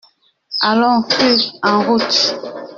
Allons, hue !… en route !